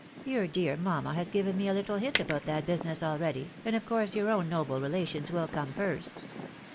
" Your dear mamma has given me a Uttle hint about that business already, and of course your own noble relations wUl come first."